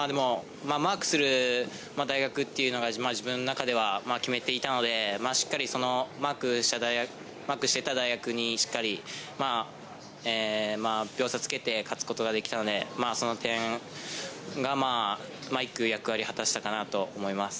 マークする大学というのが自分の中では決めていたので、しっかりマークした大学に秒差をつけて勝つことができたので、その点が１区の役割を果たしたかなと思います。